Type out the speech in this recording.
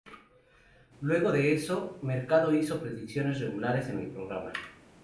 Luego de eso, Mercado hizo predicciones regulares en el programa.